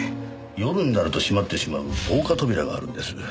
夜になると閉まってしまう防火扉があるんです。